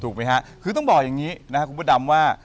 ถูกไหมฮะคือต้องบอกอย่างนี้ครับคุณประดับว่า